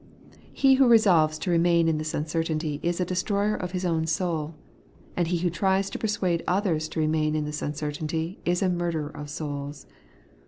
He who resolves to remain in this uncertainty is a destroyer of his own soul ; and he who tries to persuade others to remain in this uncertainty is a murderer of souls.